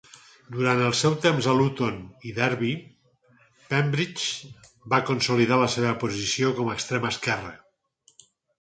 Durant el seu temps a Luton i Derby, Pembridge va consolidar la seva posició com a extrem esquerre.